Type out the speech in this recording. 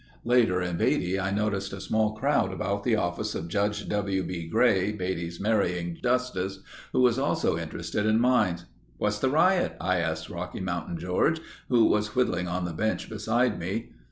Later in Beatty, I noticed a small crowd about the office of Judge W. B. Gray, Beatty's marrying Justice, who was also interested in mines. "What's the riot?" I asked Rocky Mountain George, who was whittling on the bench beside me.